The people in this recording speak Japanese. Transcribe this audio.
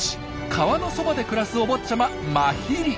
川のそばで暮らすお坊ちゃまマヒリ。